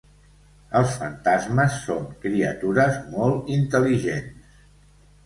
Els fantasmes són criatures molt intel·ligents.